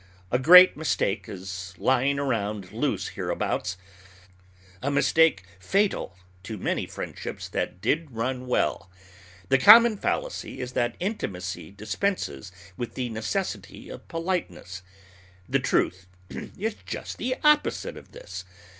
A great mistake is lying round loose hereabouts, a mistake fatal to many friendships that did run well. The common fallacy is that intimacy dispenses with the necessity of politeness. The truth is just the opposite of this.